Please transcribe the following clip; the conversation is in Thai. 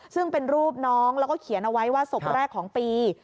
ซึ่งเป็นรูปน้องแล้วก็เขียนเอาไว้ว่าศพแรกของปี